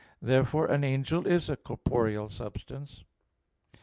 Therefore an angel is a corporeal substance.